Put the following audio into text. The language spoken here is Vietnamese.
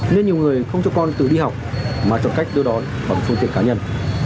nên nhiều người không cho con tự đi học mà chọn cách đưa đón bằng phương tiện cá nhân